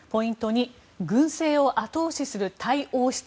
２軍政を後押しするタイ王室。